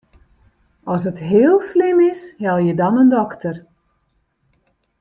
As it heel slim is, helje dan in dokter.